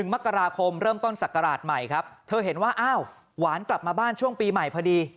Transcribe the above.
มกราคมเริ่มต้นศักราชใหม่ครับเธอเห็นว่าอ้าวหวานกลับมาบ้านช่วงปีใหม่พอดี